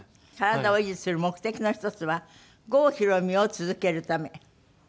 体を維持する目的の１つは郷ひろみを続けるため？